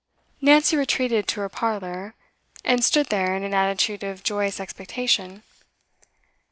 Nancy retreated to her parlour, and stood there in an attitude of joyous expectation.